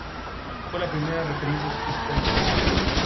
Fue la primera referencia explícita al tema.